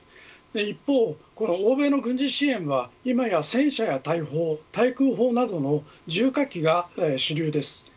一方、欧米の軍事支援は今や戦車や大砲対空砲などの重火器が主流です。